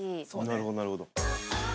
なるほどなるほど。